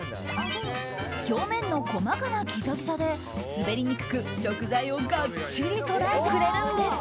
表面の細かなギザギザで滑りにくく、食材をがっちり捉えてくれるんです。